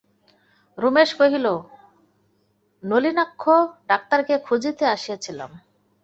রমেশ কহিল, নলিনাক্ষ ডাক্তারকে খুঁজিতে আসিয়াছিলাম।